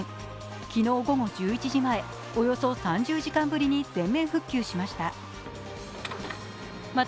昨日午後１１時前、およそ３０時間ぶりに全面復旧しました。